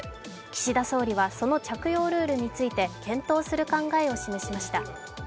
岸田総理はその着用ルールについて検討する考えを示しました。